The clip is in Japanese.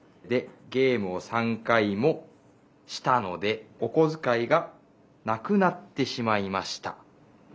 で「ゲームを３かいも『したので』おこづかいが『なくなってしまいました』」にかえました。